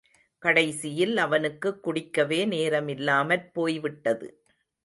கடைசியில் அவனுக்குக் குடிக்கவே நேரமில்லாமற் போய் விட்டது.